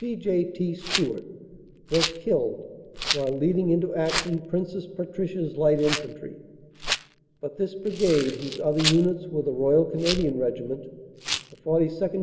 C. J. T. Stewart, was killed while leading into action Princess Patricia s Light Infantry. But this Brigade, whose other units were the Royal Canadian Regiment, the 42nd.